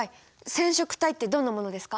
染色体ってどんなものですか？